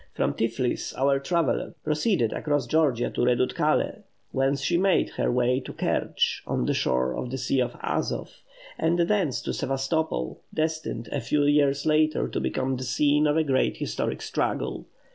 From Tiflis our traveller proceeded across Georgia to Redutkalé, whence she made her way to Kertch, on the shore of the Sea of Azov; and thence to Sevastopol, destined a few years later to become the scene of a great historic struggle.